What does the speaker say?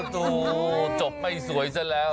ดูจบไม่สวยซะแล้ว